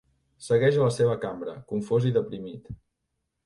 Segueix a la seva cambra, confós i deprimit.